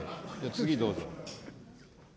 次どうぞ。